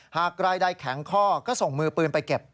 หากรายใดแข็งข้อก็ส่งมือปืนไปเก็บ